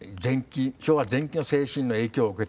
昭和前期の精神の影響を受けてると。